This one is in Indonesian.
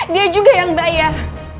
dia juga yang bayar